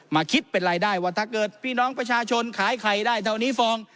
คิดเป็นรายได้ว่าถ้าเกิดพี่น้องประชาชนขายไข่ได้เท่านี้ฟอง